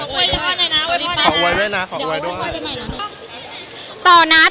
พี่แอลล์พี่ตีก็มีเรื่องจะถาม